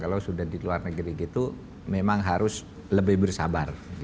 kalau sudah di luar negeri gitu memang harus lebih bersabar